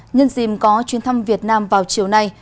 nhân dìm có chuyến thăm việt nam vào chiều nay